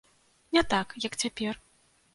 Не так, як цяпер.